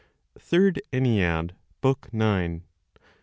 THIRD ENNEAD, BOOK NINE.